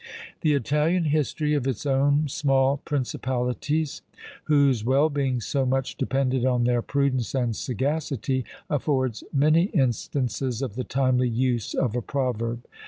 The Italian history of its own small principalities, whose well being so much depended on their prudence and sagacity, affords many instances of the timely use of a proverb.